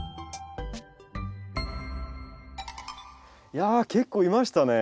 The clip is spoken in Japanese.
いや結構いましたね。